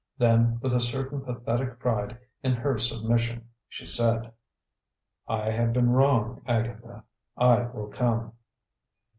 Then, with a certain pathetic pride in her submission, she said: "I have been wrong, Agatha; I will come."